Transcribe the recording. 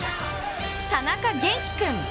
田中元輝君。